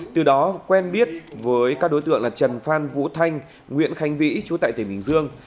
từ đó quen biết với các đối tượng là trần phan vũ thanh nguyễn khánh vĩ chú tại tỉnh bình dương